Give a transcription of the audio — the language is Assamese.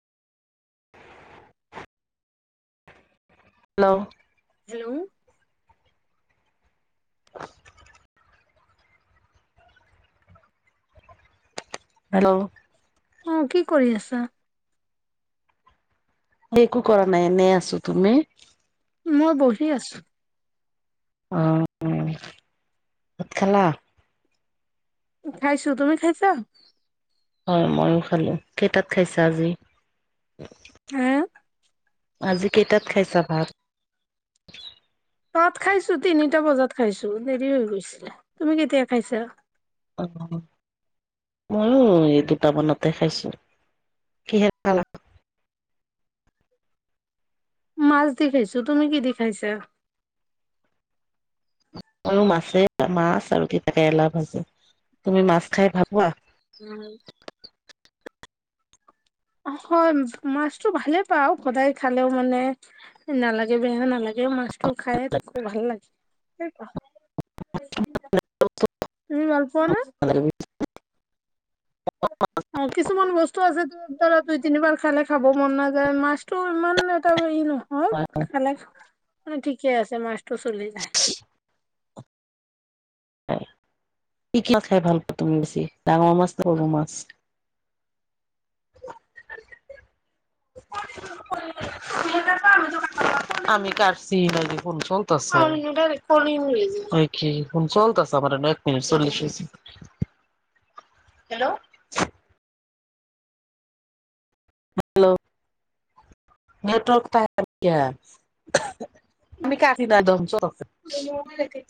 হেল্ল' হেল্ল' [inaudible] হেল্ল' অ, কি কৰি আছা? একো কৰা নাই, এনেই আছোঁ, তুমি? মই বহি আছোঁ। অ'। [unintelligible] ভাত খালা? খাইছোঁ, তুমি খাইছা? অহ, ময়ো খালো, কেইটাত খাইছা আজি? হা আজি কেইটাত খাইছা ভাত? ভাত খাইছো তিনিটা বজাত খাইছো, দেৰি হৈ গৈছিলে, তুমি কেতিয়া খাইছা? অহ, অ ময়ো, এই দুটা মানতে খাইছোঁ। কিহেৰে খালা? মাছ দি খাইছো, তুমি কি দি খাইছা? ময়ো মাছে, মাছ আৰু তিতাকেৰেলা ভাজি। তুমি মাছ খাই ভাল পোৱা? উম। হয়, মাছটো ভালে পাওঁ সদায় খালেও মানে নালাগে বেয়া নালাগে, মাছটো খায় থাকো, ভাল লাগে। [unintelligible] অ [inaudible] তুমি ভালপোৱানে? [unintelligible] অ কিছুমান বস্তু আছে ধৰা দুই তিনিবাৰ খালে খাব মন নাযায়, মাছটো ইমান এটা ই নহয় অ, খালে খা মানে ঠিকে আছে মাছটো চলি যায়। কি কি মাছ খাই ভাল পোৱা তুমি বেছি? ডাঙৰ মাছ নে সৰু মাছ? [unintelligible] [unintelligible] [unintelligible] হেল্ল'? হেল্ল'! নেটৱৰ্ক [unintelligible] [unintelligible]